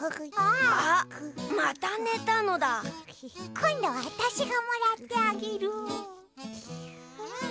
こんどはわたしがもらってあげる。